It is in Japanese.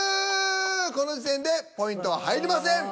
この時点でポイントは入りません。